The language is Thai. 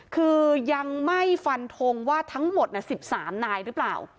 คือยังไม่ฟันทงว่าทั้งหมด๑๓นายหรือเปล่า